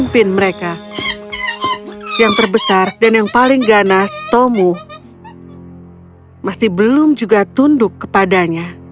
dan pemimpin mereka yang terbesar dan yang paling ganas tomu masih belum juga tunduk kepadanya